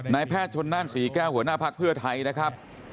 ในแพทย์ชนนั่น๔๙หัวหน้าภาคเพื่อไทยนะครับ